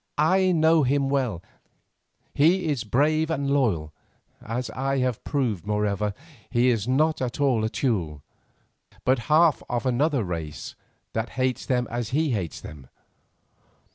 I know him well; he is brave and loyal, as I have proved, moreover, he is not all a Teule, but half of another race that hates them as he hates them.